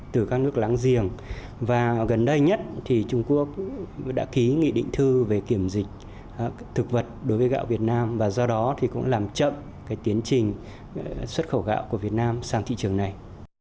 từ các nước láng giềng và gần đây nhất thì trung quốc đã ký nghị định thư về kiểm dịch thực vật đối với gạo việt nam và do đó thì cũng làm chậm cái tiến trình xuất khẩu gạo của việt nam sang thị trường này